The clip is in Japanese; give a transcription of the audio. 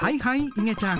いげちゃん。